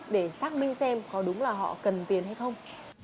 để xác minh xem có đúng là họ cần tiền hay không